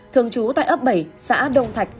thường trú tại ấp bảy xã đông thạch